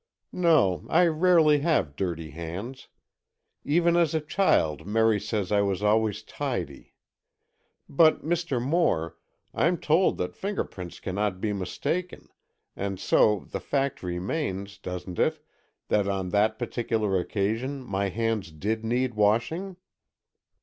"No, I rarely have dirty hands. Even as a child, Merry says I was always tidy. But, Mr. Moore, I'm told that fingerprints cannot be mistaken, and so the fact remains, doesn't it, that on that particular occasion my hands did need washing?"